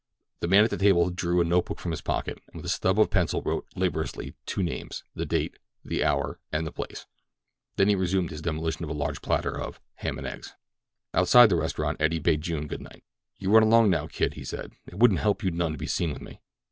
The man at the table drew a note book from his pocket, and with a stub of pencil wrote, laboriously, two names, the date, the hour, and the place; then he resumed the demolition of a large platter of "ham and eggs." Outside the restaurant Eddie bade June good night. "You run along now, kid," he said. "It wouldn't help you none to be seen with me."